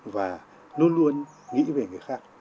và luôn luôn nghĩ về người khác